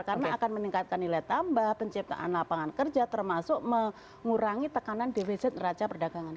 karena akan meningkatkan nilai tambah penciptaan lapangan kerja termasuk mengurangi tekanan defisit raca perdagangan